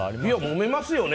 もめますよね。